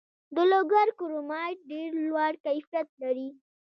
د لوګر کرومایټ ډیر لوړ کیفیت لري.